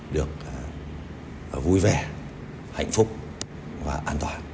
được vui vẻ hạnh phúc và an toàn